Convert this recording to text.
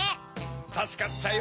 たすかったよ